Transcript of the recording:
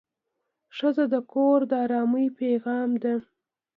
ښځه د کور د ارامۍ پېغام ده.